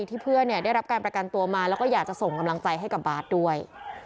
เพื่อนได้รับการประกันตัวมาแล้วก็อยากจะส่งกำลังใจให้กับบาทด้วย